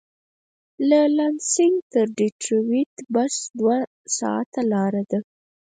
له لانسېنګ تر ډیترویت بس کې دوه ساعته لاره ده.